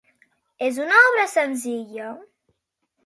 És una obra senzilla?